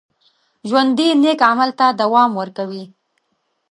ژوندي نیک عمل ته دوام ورکوي